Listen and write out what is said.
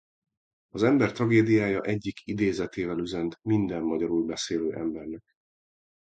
Az ember tragédiája egyik idézetével üzent minden magyarul beszélő embernek.